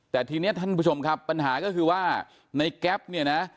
แต่ทีนี้ท่านผู้ชมครับปัญหาก็คือว่าในแก๊ปเนี่ยนะ